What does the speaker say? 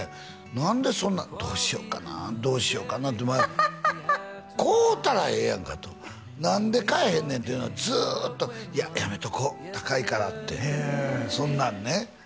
何でそんなどうしよっかなどうしよっかなって迷う買うたらええやんかと何で買えへんねんっていうのをずっといややめとこう高いからってそんなんね